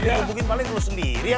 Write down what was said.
lo dikepukin paling lo sendiri ya